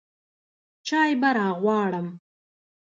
چاى به راغواړم.